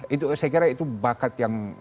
itu saya kira itu bakat yang